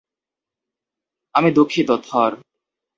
আমি দুঃখিত, থর।